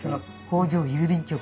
「北条郵便局」。